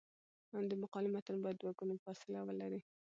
د مقالې متن باید دوه ګونی فاصله ولري.